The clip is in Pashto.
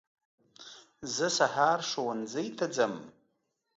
زه هر سهار ښوونځي ته ځم